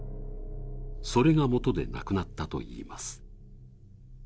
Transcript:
それがもとで亡くなったといいます。